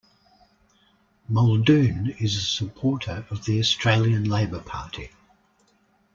Muldoon is a supporter of the Australian Labor Party.